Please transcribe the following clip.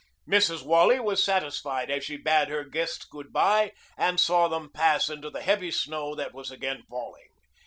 Mrs. Wally was satisfied as she bade her guests good bye and saw them pass into the heavy snow that was again falling.